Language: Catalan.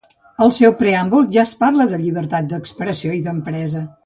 Al seu preàmbul ja es parla de llibertat d'expressió i d'empresa.